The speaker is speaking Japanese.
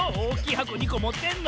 はこ２こもてんの？